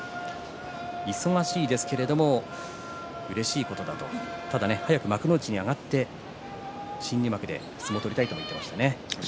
忙しいですけれどもうれしいことだとただ、早く幕内に上がって新入幕で相撲を取りたいと言っていましたね。